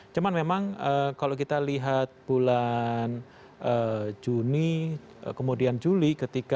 cuma memang kalau kita lihat bulan juni kemudian juli